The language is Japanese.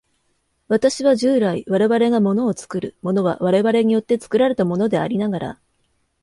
私は従来、我々が物を作る、物は我々によって作られたものでありながら、